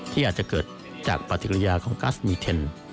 ที่อาจจะเกิดจากปฏิกิริยาของกัสมีเทน